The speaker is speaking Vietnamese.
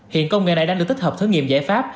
hiện công nghệ này đang được tích hợp thử nghiệm giải pháp